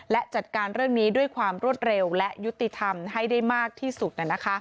และจัดการเรื่องนี้ด้วยความรวดเร็วและยุติธรรมให้ได้มากที่สุด